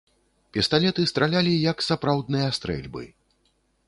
Пісталеты стралялі, як сапраўдныя стрэльбы.